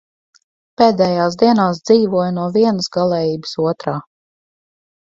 Pēdējās dienās dzīvoju no vienas galējības otrā.